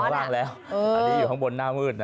อันนี้อยู่ข้างบนหน้ามืด